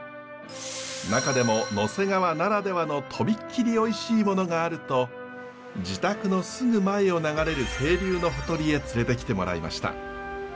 中でも野迫川ならではのとびっきりおいしいものがあると自宅のすぐ前を流れる清流のほとりへ連れてきてもらいました。